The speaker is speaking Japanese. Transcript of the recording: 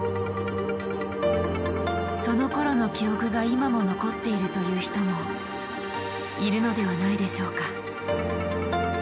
そのころの記憶が今も残っているという人もいるのではないでしょうか。